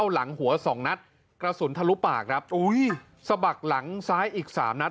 หลังหัวสองนัดกระสุนทะลุปากครับอุ้ยสะบักหลังซ้ายอีกสามนัด